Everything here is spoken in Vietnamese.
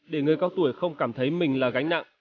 để người cao tuổi không cảm thấy mình là gánh nặng